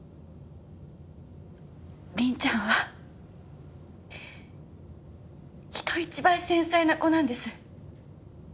凛ちゃんは人一倍繊細な子なんです。